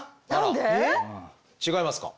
違いますか？